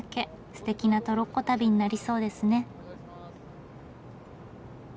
すてきなトロッコ旅になりそうですね。